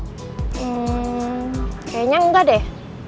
hmm kayaknya enggak deh